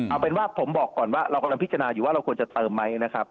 เอาเป็นว่าผมบอกก่อนว่าเรากำลังพิจารณาอยู่ว่าเราควรจะเติมไหมนะครับ